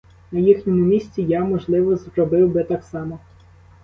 На їхньому місці я, можливо, зробив би так само.